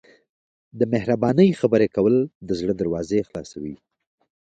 د مهربانۍ خبرې کول د زړه دروازې خلاصوي.